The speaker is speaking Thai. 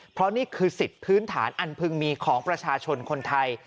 เพราะนี่คือสิทธิ์พื้นฐานอันพึงมีของประชาชนคนไทย